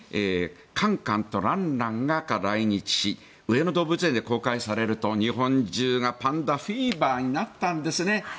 カンカンとランランが来日し上野動物園で公開されると日本中がパンダフィーバーになったんですね。